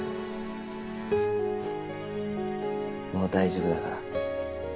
もう大丈夫だから。